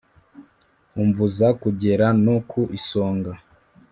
umbuza kugera no ku isonga